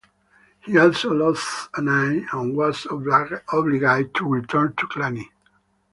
He also lost an eye and was obliged to return to Cluny.